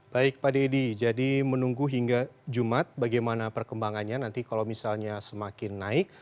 baik pak deddy jadi menunggu hingga jumat bagaimana perkembangannya nanti kalau misalnya semakin naik